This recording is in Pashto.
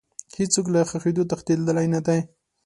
هیڅ څوک له ښخېدو تښتېدلی نه دی.